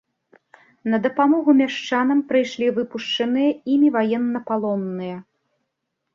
На дапамогу мяшчанам прыйшлі выпушчаныя імі ваеннапалонныя.